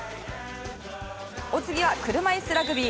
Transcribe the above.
お次は車いすラグビー。